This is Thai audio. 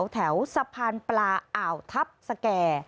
แถวสะพานปลาอ่าวทัพสแก่